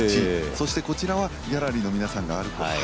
そしてこちらがギャラリーの皆さんが歩く橋。